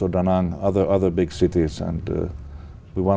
nếu tôi có thời gian